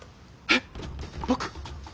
えっ僕？